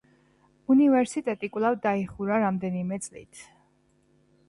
უნივერსიტეტი კვლავ დაიხურა რამდენიმე წლით.